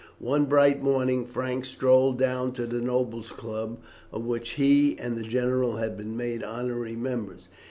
One bright morning Frank strolled down to the Nobles' Club, of which he and the general had been made honorary members.